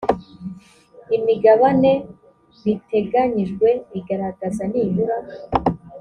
imigabane riteganyijwe igaragaza nibura